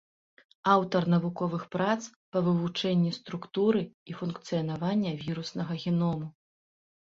Аўтар навуковых прац па вывучэнні структуры і функцыянавання віруснага геному.